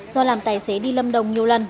do làm tài xế đi lâm đồng nhiều lần